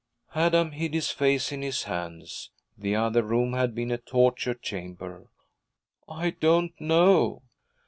Adam hid his face in his hands. The other room had been a torture chamber. 'I don't know.'